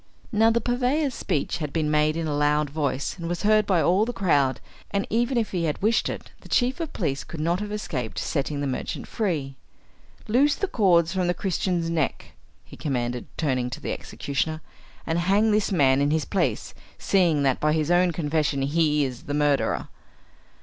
Now the purveyor's speech had been made in a loud voice, and was heard by all the crowd, and even if he had wished it, the chief of police could not have escaped setting the merchant free. "Loose the cords from the Christian's neck," he commanded, turning to the executioner, "and hang this man in his place, seeing that by his own confession he is the murderer."